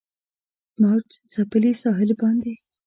موج ځپلي ساحل باندې